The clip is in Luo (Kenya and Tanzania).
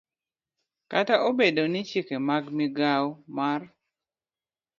Kata obedo ni chike mag migao mar